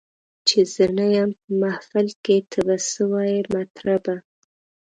چي زه نه یم په محفل کي ته به څه وایې مطربه